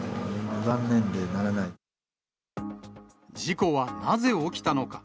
事故はなぜ起きたのか。